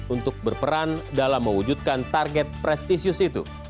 untuk berperan dalam mewujudkan target prestisius itu